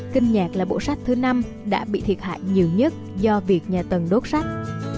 kinh nhạc là bộ sách thứ năm đã bị thiệt hại nhiều nhất do việc nhà tần đốt sách